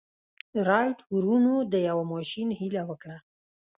رايټ وروڼو د يوه ماشين هيله وکړه.